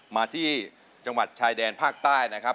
มาที่จังหวัดชายแดนภาคใต้นะครับ